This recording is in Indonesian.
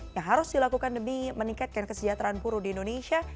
yang harus dilakukan demi meningkatkan kesejahteraan buruh di indonesia